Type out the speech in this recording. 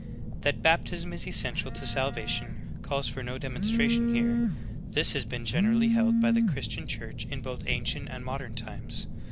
That baptism is essential to salvation calls for no demonstra tion here; this has been generally held by the Christian Church in both ancient and modern times.'